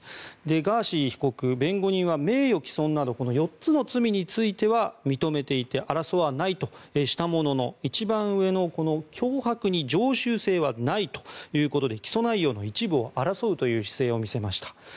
ガーシー被告、弁護人は名誉毀損など４つの罪については認めていて争わないとしたものの一番上の、この脅迫に常習性はないということで起訴内容の一部を争うという姿勢を見せました。